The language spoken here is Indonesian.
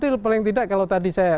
itu paling tidak kalau tadi saya